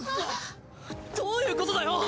どういうことだよ！？